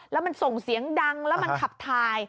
แล้วมันส่งเสียงดังแล้วมันขับถ่าย